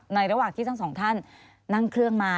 ระหว่างที่ทั้งสองท่านนั่งเครื่องมา